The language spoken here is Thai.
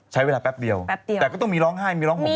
ใช้เวลาแปปเดียวแต่ก็ต้องมีร้องไห้มีร้องห่วงมาก